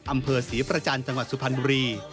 อำเภอศรีประจันทร์จังหวัดสุพรรณบุรี